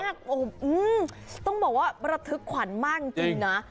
โอ้โหต้องบอกว่าระทึกขวัญมากจริงนะ